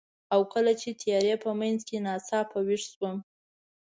او کله چې د تیارې په منځ کې ناڅاپه ویښ شوم،